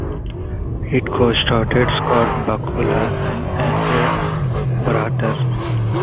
It co-starred Scott Bakula and Andre Braugher.